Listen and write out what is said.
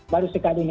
baru sekali ini